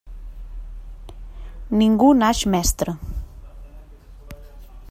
Ningú naix mestre.